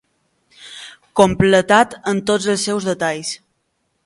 Completat en tots els seus detalls.